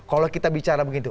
kalau kita bicara begitu